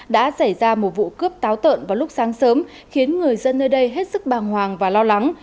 đã xảy ra một vụ cướp táo tợn vào lúc sáng sớm khiến người dân nơi đây hết sức bàng hoàng và lo lắng